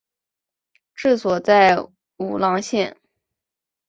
治所在武郎县。